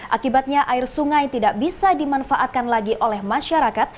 akibatnya air sungai tidak bisa dimanfaatkan lagi oleh masyarakat